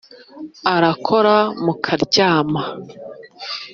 Arakora mukaryama